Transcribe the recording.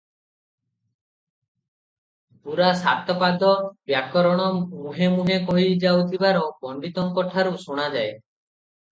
ପୂରା ସାତପାଦ ବ୍ୟାକରଣ ମୁହେଁ ମୁହେଁ କହିଯାଉଥିବାର ପଣ୍ତିତଙ୍କ ଠାରୁ ଶୁଣାଯାଏ ।